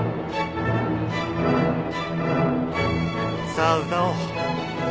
さあ歌おう！